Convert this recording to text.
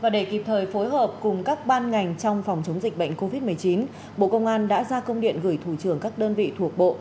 để kịp thời phối hợp cùng các ban ngành trong phòng chống dịch bệnh covid một mươi chín bộ công an đã ra công điện gửi thủ trưởng các đơn vị thuộc bộ